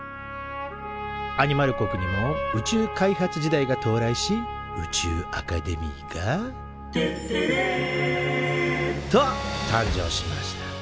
アニマル国にも宇宙開発時代がとう来し宇宙アカデミーが「てってれー！」と誕生しました。